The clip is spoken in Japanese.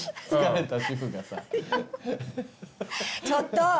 ちょっと！